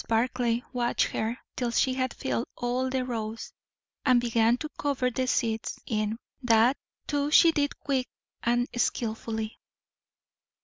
Barclay watched her till she had filled all the rows, and began to cover the seeds in; that, too, she did quick and skilfully.